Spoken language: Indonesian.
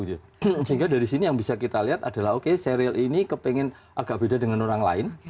sehingga dari sini yang bisa kita lihat adalah oke serial ini kepengen agak beda dengan orang lain